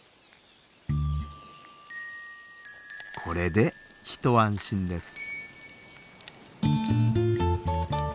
これで一安心です。